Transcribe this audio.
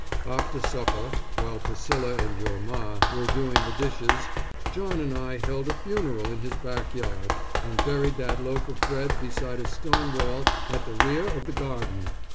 After supper, while Priscilla and your Ma were doing the dishes, John and I held a funeral in his back yard, and buried that loaf of bread beside a stone wall at the rear of the garden.